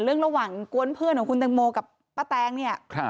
ระหว่างกวนเพื่อนของคุณตังโมกับป้าแตงเนี่ย